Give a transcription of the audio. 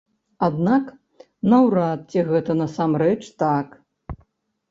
Аднак наўрад ці гэта насамрэч так.